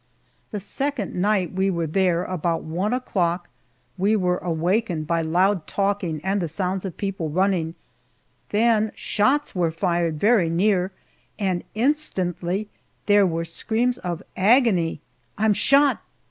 The second night we were there, about one o'clock, we were awakened by loud talking and sounds of people running; then shots were fired very near, and instantly there were screams of agony, "I'm shot!